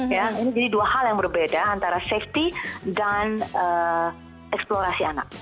ya ini jadi dua hal yang berbeda antara safety dan eksplorasi anak